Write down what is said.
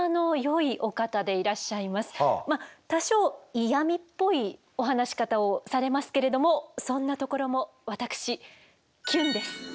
多少嫌みっぽいお話し方をされますけれどもそんなところも私え？